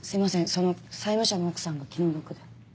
その債務者の奥さんが気の毒で。